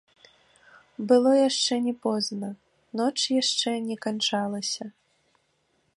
Было яшчэ не позна, ноч яшчэ не канчалася.